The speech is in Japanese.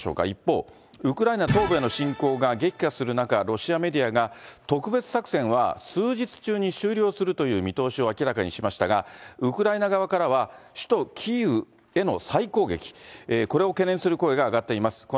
一方、ウクライナ東部への侵攻が激化する中、ロシアメディアが、特別作戦は数日中に終了するという見通しを明らかにしましたが、ウクライナ側からは首都キーウへの再攻撃、これを懸念する声が上がっています。